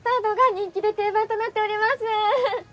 人気で定番となっております